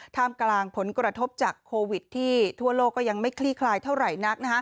ท่ามกลางผลกระทบจากโควิดที่ทั่วโลกก็ยังไม่คลี่คลายเท่าไหร่นัก